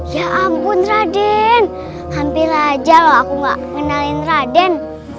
ya ampun raden hampir aja loh aku gak kenalin raden